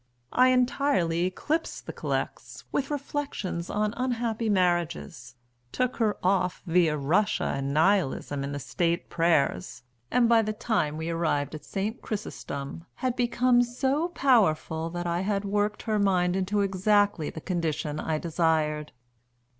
I entirely eclipsed the collects with reflections on unhappy marriages; took her off via Russia and Nihilism in the State prayers, and by the time we arrived at St. Chrysostom had become so powerful that I had worked her mind into exactly the condition I desired.